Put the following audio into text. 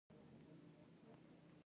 په افغانستان کې سلیمان غر شتون لري.